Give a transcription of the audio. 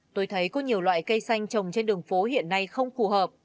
tôi thấy có nhiều loại cây xanh trồng trên đường phố hiện nay không phù hợp